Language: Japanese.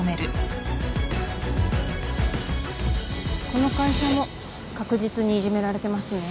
この会社も確実にいじめられてますね。